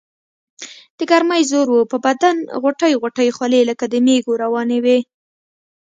دګرمۍ زور وو پۀ بدن غوټۍ غوټۍ خولې لکه د مېږو روانې وي ـ